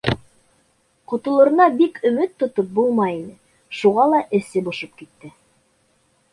Ҡотолорона бик өмөт тотоп булмай ине, шуға ла эсе бошоп китте.